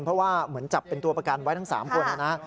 เพราะว่าเหมือนจับเป็นตัวประกันไว้ทั้ง๓คนนะนะ